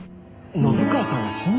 信川さんが死んだ？